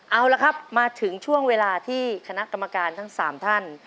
เอาละครับมาถึงช่วงเวลาที่คณะกรรมการทั้ง๓ท่าน